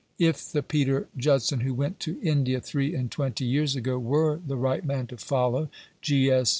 If the Peter Judson who went to India three and twenty years ago were the right man to follow, G.S.